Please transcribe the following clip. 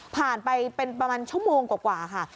ไปเป็นประมาณชั่วโมงกว่าค่ะ